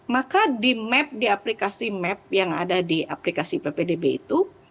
maka di map di aplikasi map yang ada di aplikasi ppdb itu